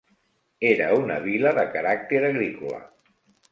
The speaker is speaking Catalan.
Era una vila de caràcter agrícola.